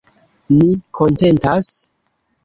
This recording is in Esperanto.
Ni kontentas.